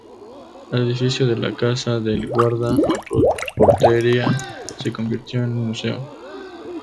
El edificio de la casa del guarda o portería se convirtió en un museo.